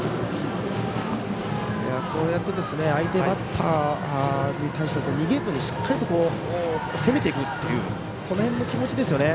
こうやって相手バッターに対して逃げずにしっかりと攻めていくというその辺の気持ちですよね。